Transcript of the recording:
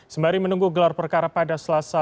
sembari menunggu gelar perkara pada selasa